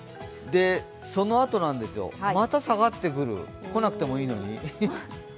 そのあとなんですよ、また下がってくる、来なくてもいいのに。